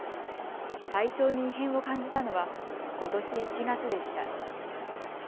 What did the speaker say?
体調に異変を感じたのはことし１月でした。